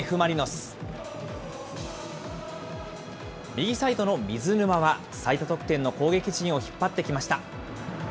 右サイドの水沼は、最多得点の攻撃陣を引っ張ってきました。